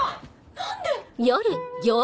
何で！